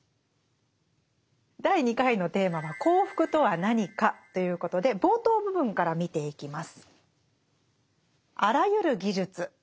第２回のテーマは「幸福とは何か」ということで冒頭部分から見ていきます。